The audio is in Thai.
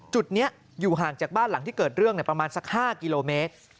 จุดนี้อยู่ห่างจากบ้านหลังที่เกิดเรื่องประมาณสัก๕กิโลเมตร